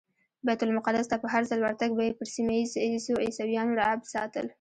بیت المقدس ته په هرځل ورتګ به یې پر سیمه ایزو عیسویانو رعب ساتل.